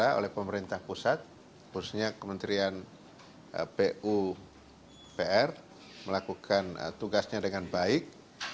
kita oleh pemerintah pusat khususnya kementerian pupr melakukan tugasnya dengan baik